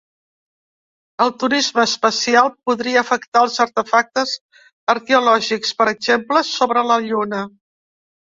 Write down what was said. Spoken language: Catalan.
El turisme espacial podria afectar els artefactes arqueològics, per exemple, sobre la Lluna.